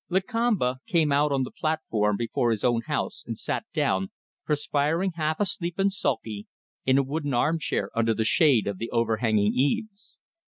Lakamba came out on the platform before his own house and sat down perspiring, half asleep, and sulky in a wooden armchair under the shade of the overhanging eaves.